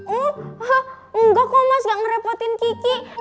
oh enggak kok mas gak ngerepotin kiki